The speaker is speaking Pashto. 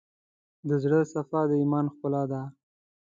د زړه صفا، د ایمان ښکلا ده.